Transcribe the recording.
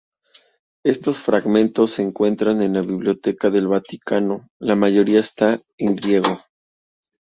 Estos fragmentos se encuentran en la Biblioteca del Vaticano, la mayoría está en griego.